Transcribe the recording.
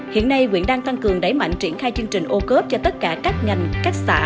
hiện nay quyện đang tăng cường đẩy mạnh triển khai chương trình ô cớp cho tất cả các ngành các xã